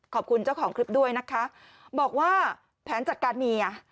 ขอบคุณเจ้าของคลิปด้วยนะคะบอกว่าแผนจัดการเมีย